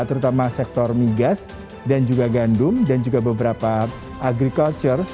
terutama sektor migas dan juga gandum dan juga beberapa agriculture